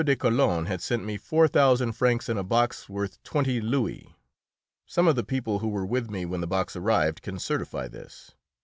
de Calonne had sent me four thousand francs in a box worth twenty louis. Some of the people who were with me when the box arrived can certify this.